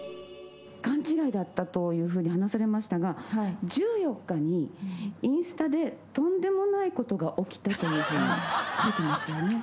勘違いだったというふうに話されましたが１４日にインスタで「とんでもないことが起きた」と書いてましたよね？